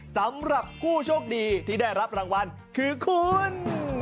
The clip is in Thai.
สำหรับผู้โชคดีที่ได้รับรางวัลคือคุณ